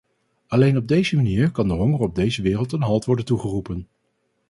Alleen op deze manier kan de honger op deze wereld een halt worden toegeroepen.